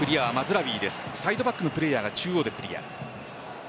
サイドバックのプレーヤーが中央でクリア。